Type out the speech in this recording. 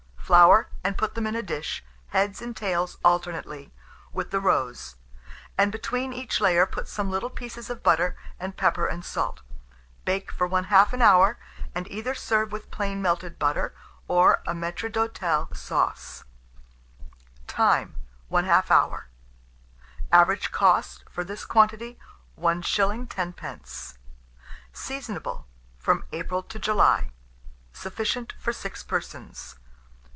Flour, and put them in a dish, heads and tails alternately, with the roes; and, between each layer, put some little pieces of butter, and pepper and salt. Bake for 1/2 an hour, and either serve with plain melted butter or a maître d'hôtel sauce. Time. 1/2 hour. Average cost for this quantity, 1s. 10d. Seasonable from April to July. Sufficient for 6 persons.